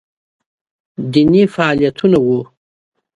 دیني فعالیتونه وو